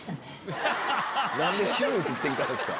何で白い服着てきたんですか？